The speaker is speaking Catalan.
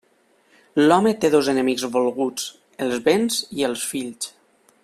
L'home té dos enemics volguts: els béns i els fills.